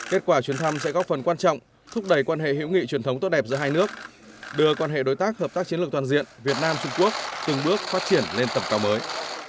kết quả chuyến thăm sẽ góp phần quan trọng thúc đẩy quan hệ hữu nghị truyền thống tốt đẹp giữa hai nước đưa quan hệ đối tác hợp tác chiến lược toàn diện việt nam trung quốc từng bước phát triển lên tầm cao mới